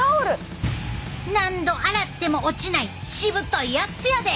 何度洗っても落ちないしぶといやつやで！